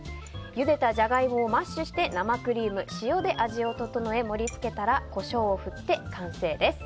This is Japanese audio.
ゆでたジャガイモをマッシュして生クリーム、塩で味を調え盛り付けたらコショウを振って完成です。